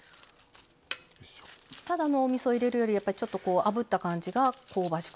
ただのおみそ入れるよりやっぱりちょっとあぶった感じが香ばしく。